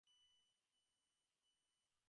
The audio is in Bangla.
আনন্দময়ী তাহার কাছে একটা চৌকি টানিয়া লইয়া বসিলেন।